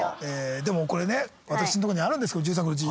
でもこれね私のとこにあるんですけど１３個のうち。